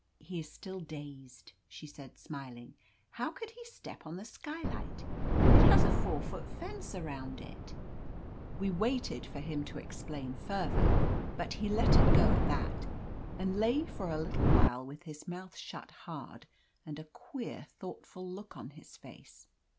"He is still dazed/* she said, smiling. "How could he step on the skylight ? It has a four foot fence around it !" We waited for him to explain further, but he let it go at that, and lay for a little while with his mouth shut hard and a queer thought ful look on his face.